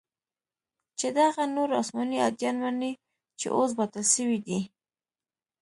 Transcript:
چې دغه نور اسماني اديان مني چې اوس باطل سوي دي.